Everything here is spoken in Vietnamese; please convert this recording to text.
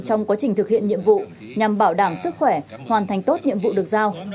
trong quá trình thực hiện nhiệm vụ nhằm bảo đảm sức khỏe hoàn thành tốt nhiệm vụ được giao